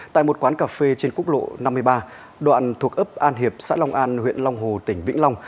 tại một quán cà phê trên quốc lộ năm mươi ba đoạn thuộc ấp an hiệp xã long an huyện long hồ tỉnh vĩnh long